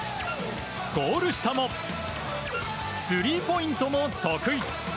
ゴール下もスリーポイントも得意。